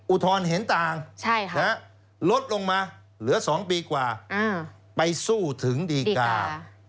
อุทธรณ์เห็นต่างลดลงมาเหลือ๒ปีกว่าไปสู้ถึงดีกา